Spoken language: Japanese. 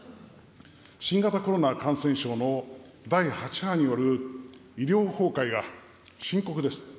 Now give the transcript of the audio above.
新型コロナ感染症の第８波による医療崩壊が深刻です。